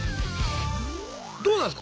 どうなんすか？